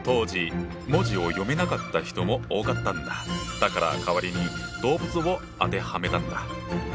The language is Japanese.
だから代わりに動物を当てはめたんだ。